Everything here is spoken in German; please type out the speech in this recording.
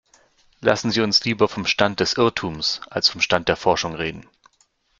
Lassen Sie uns lieber vom Stand des Irrtums als vom Stand der Forschung reden.